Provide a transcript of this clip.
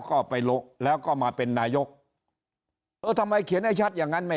ก็ไปลงแล้วก็มาเป็นนายกเออทำไมเขียนให้ชัดอย่างงั้นไม่